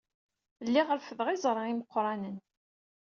Lliɣ reffdeɣ iẓra d imeqranen.